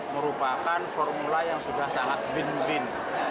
merupakan formula yang sudah sangat win win